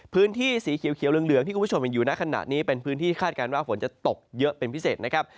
พื้นที่สีเขียวเหลืองที่คุณผู้ชมเห็นอยู่ในขณะนี้เป็นพื้นที่คาดการณ์ว่าฝนจะตกเยอะเป็นพิเศษนะครับ